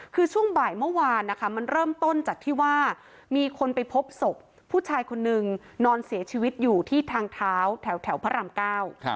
คือช่วงบ่ายเมื่อวานนะคะมันเริ่มต้นจากที่ว่ามีคนไปพบศพผู้ชายคนนึงนอนเสียชีวิตอยู่ที่ทางเท้าแถวแถวพระรามเก้า